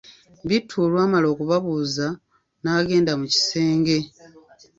Bittu olwamala okubabuuza n'agenda mu kisenge.